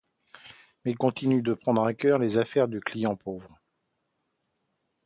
Mais il continue de prendre à cœur les affaires de clients pauvres.